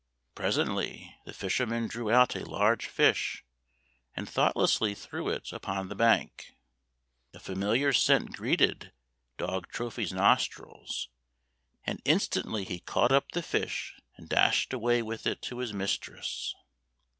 Presently the fisherman drew out a large fish, and thoughtlessly threw it upon the bank. A familiar scent greeted dog Trophy's nostrils, and instantly he caught up the fish and dashed away with it to his mistress.